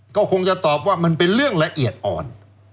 ก็คงจะตอบว่ามันเป็นเรื่องละเอียดอ่อน